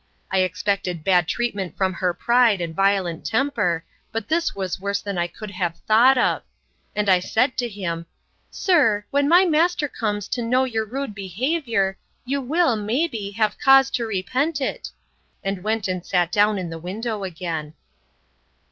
I expected bad treatment from her pride, and violent temper; but this was worse than I could have thought of. And I said to him, Sir, when my master comes to know your rude behaviour, you will, may be, have cause to repent it: and went and sat down in the window again.